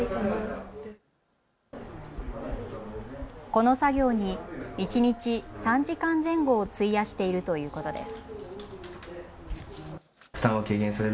この作業に一日３時間前後を費やしているということです。